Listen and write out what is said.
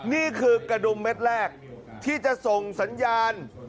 นี่คือกระดุมเม็ดแรกที่จะส่งสัญญาณ